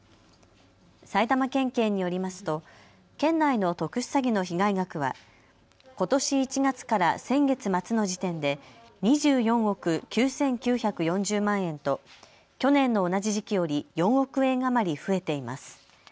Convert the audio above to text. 埼玉県警によりますと県内の特殊詐欺の被害額はことし１月から先月末の時点で２４億９９４０万円と去年の同じ時期より４億円余り増えています。